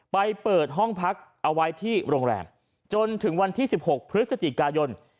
เปิดห้องพักเอาไว้ที่โรงแรมจนถึงวันที่๑๖พฤศจิกายน